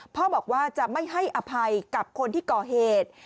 พ่อบอกว่าจะไม่ให้อภัยกับคนที่ก่อเหตุ